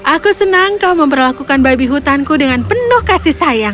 aku senang kau memperlakukan babi hutanku dengan penuh kasih sayang